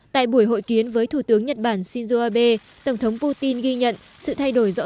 tại buổi hội kiến với thủ tướng nhật bản shinzo abe tổng thống putin ghi nhận sự thay đổi rõ